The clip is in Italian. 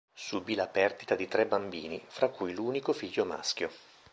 Subì la perdita di tre bambini, fra cui l’unico figlio maschio.